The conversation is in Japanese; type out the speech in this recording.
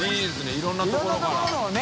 いろんなところのをね。